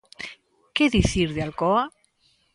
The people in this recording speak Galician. ¿Que dicir de Alcoa?